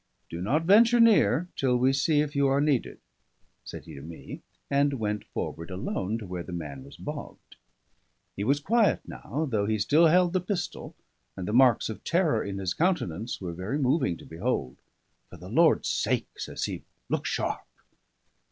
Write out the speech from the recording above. "Do not venture near till we see if you are needed," said he to me, and went forward alone to where the man was bogged. He was quiet now, though he still held the pistol; and the marks of terror in his countenance were very moving to behold. "For the Lord's sake," says he, "look sharp."